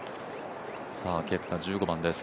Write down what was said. ケプカ、１５番です。